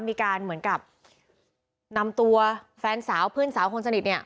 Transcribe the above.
มีการเหมือนกับนำตัวแฟนสาวเพื่อนสาวคนสนิทเนี่ย